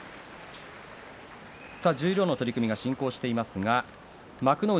十両の取組が進行しています。